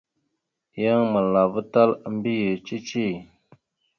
Yan malava tal a mbiyez cici.